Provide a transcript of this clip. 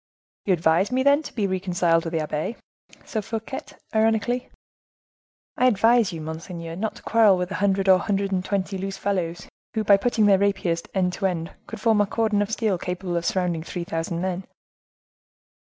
"You advise me, then, to be reconciled to the abbe?" said Fouquet, ironically. "I advise you, monseigneur, not to quarrel with a hundred or a hundred and twenty loose fellows, who, by putting their rapiers end to end, would form a cordon of steel capable of surrounding three thousand men."